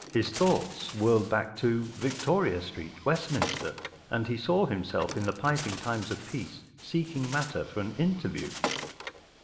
His thoughts whirl¬ ed back to Victoria Street, Westminster, and he sa w himself in the piping times of peace, seeking matter for an interview.